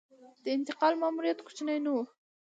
د انتقال ماموریت کوچنی نه و.